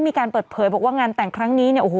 มีการเปิดเผยว่างานแต่งครั้งนี้